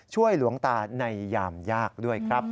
หลวงตาในยามยากด้วยครับ